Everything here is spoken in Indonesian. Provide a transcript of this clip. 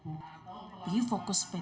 maka pintunya kita tutup